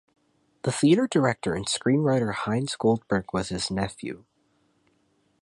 The theatre director and screenwriter Heinz Goldberg was his nephew.